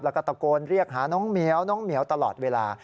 แล้วก็ตะโกนเรียกหาน้องเหมียวตลอดเวลา